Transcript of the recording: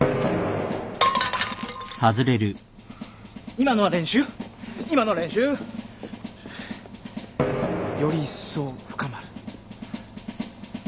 今のは練習今の練習。よりいっそう深まる。